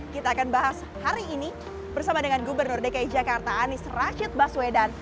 kita akan bahas hari ini bersama dengan gubernur dki jakarta anies rashid baswedan